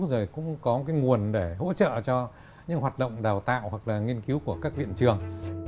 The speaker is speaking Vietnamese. rồi cũng có cái nguồn để hỗ trợ cho những hoạt động đào tạo hoặc là nghiên cứu của các viện trường